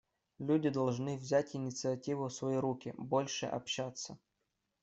Люди должны взять инициативу в свои руки, больше общаться.